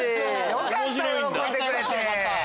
よかった喜んでくれて。